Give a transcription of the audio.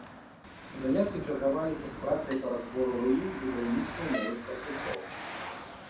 Заняткі чаргаваліся з працай па разбору руін, будаўніцтву новых карпусоў.